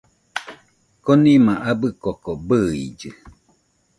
Konima abɨ koko bɨillɨ